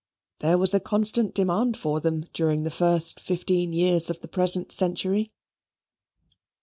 There was a constant demand for them during the first fifteen years of the present century.